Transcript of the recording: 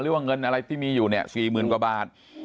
เงินอะไรที่มีอยู่เนี่ย๔๐๐๐กว่าบาท